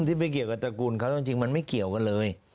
ที่ไม่เกี่ยวกับตระกูลเขาจริงมันไม่เกี่ยวกันเลย